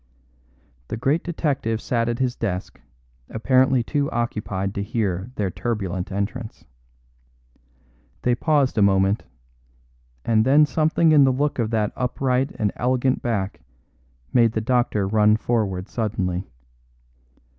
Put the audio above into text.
The great detective sat at his desk apparently too occupied to hear their turbulent entrance. They paused a moment, and then something in the look of that upright and elegant back made the doctor run forward suddenly.